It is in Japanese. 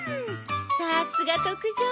さすが特上！